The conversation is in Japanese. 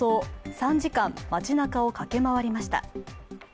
３時間、街なかを駆け回りました。